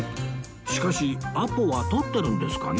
しかしアポは取ってるんですかね？